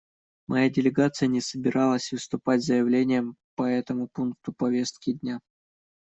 Моя делегация не собиралась выступать с заявлением по этому пункту повестки дня.